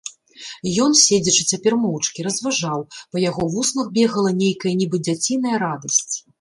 Ён, седзячы цяпер моўчкі, разважаў, па яго вуснах бегала нейкая нібы дзяціная радасць.